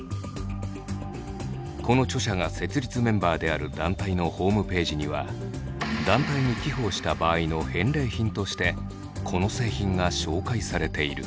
この著者が設立メンバーである団体のホームページには団体に寄付をした場合の返礼品としてこの製品が紹介されている。